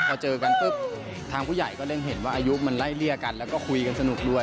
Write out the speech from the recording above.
พอเจอกันปุ๊บทางผู้ใหญ่ก็เร่งเห็นว่าอายุมันไล่เลี่ยกันแล้วก็คุยกันสนุกด้วย